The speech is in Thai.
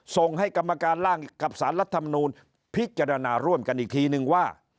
ส่งให้กรรมการร่างกับสารรัฐมนูลพิจารณาร่วมกันอีกทีนึงว่า